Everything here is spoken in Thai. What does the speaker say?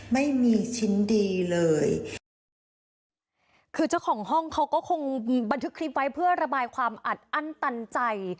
ไม่มีชิ้นดีเลยคือเจ้าของห้องเขาก็คงบันทึกคลิปไว้เพื่อระบายความอัดอั้นตันใจ